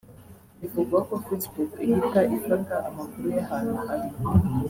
bivugwa ko Facebook ihita ifata amakuru y’ahantu ari